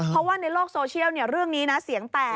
เพราะว่าในโลกโซเชียลเรื่องนี้นะเสียงแตก